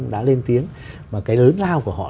đã lên tiếng mà cái lớn lao của họ